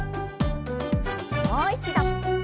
もう一度。